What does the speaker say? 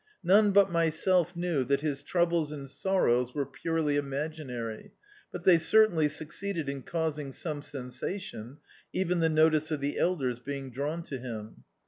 None but myself knew that his troubles and sor rows were purely imaginary, but they certainly suc ceeded in causing some sensation, even the notice of the elders being drawn to him.